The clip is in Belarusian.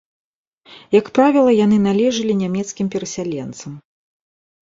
Як правіла, яны належылі нямецкім перасяленцам.